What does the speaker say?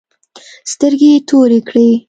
سترگې يې تورې کړې.